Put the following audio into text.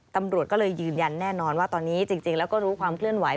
ตำรวจก็เลยยืนยันแน่นอนว่าตอนนี้จริงแล้วก็รู้ความเคลื่อนไหว